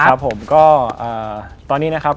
ครับผมก็ตอนนี้นะครับ